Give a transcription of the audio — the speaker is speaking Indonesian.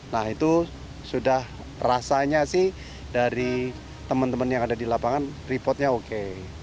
nah itu sudah rasanya sih dari teman teman yang ada di lapangan reportnya oke